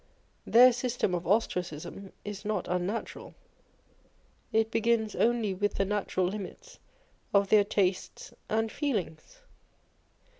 Their system of Ostracism is not unnatural : it begins only with the natural limits of their tastes and feelings.